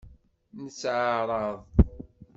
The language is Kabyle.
Netteɛṛaḍ.